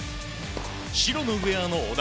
白のウェアの小田。